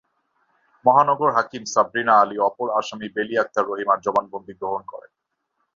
মহানগর হাকিম সাবরিনা আলী অপর আসামি বেলী আক্তার রহিমার জবানবন্দি গ্রহণ করেন।